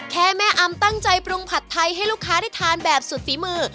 แม่อำตั้งใจปรุงผัดไทยให้ลูกค้าได้ทานแบบสุดฝีมือ